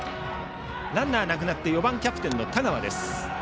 ランナーなくなって打者は４番キャプテンの田川。